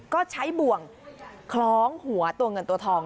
ก็ใช้บ่วงคล้องหัวตัวเงินตัวทอง